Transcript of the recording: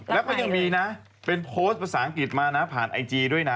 แล้วก็ยังมีนะเป็นโพสต์ภาษาอังกฤษมานะผ่านไอจีด้วยนะ